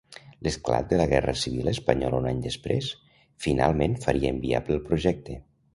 L'esclat de la guerra civil espanyola un any després, finalment faria inviable el projecte.